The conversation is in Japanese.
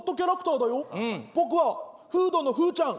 僕はフードのフーちゃん。